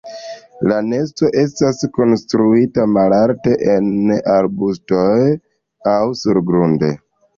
La nesto estas konstruita malalte en arbustoj aŭ surgrunde.